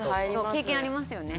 経験ありますよね。